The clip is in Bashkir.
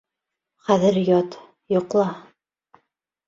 Хәҙер ят, йоҡла...